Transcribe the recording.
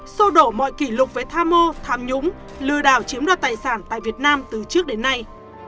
sô đổ mọi kỷ lục với tham mô tham nhũng lừa đảo chiếm đoạt tài sản tại việt nam từ trước đến nay